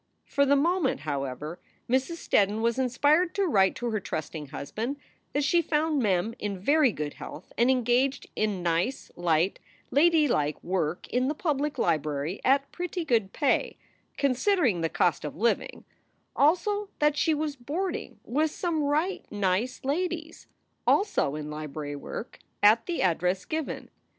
For the moment, however, Mrs. Steddon was inspired to write to her trusting husband that she found Mem in very good health and engaged in nice, light, ladylike work in the public library at pretty good pay, considering the cost of living ; also that she was boarding with some right nice ladies also in library work at the address given.